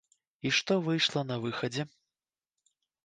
І што выйшла на выхадзе.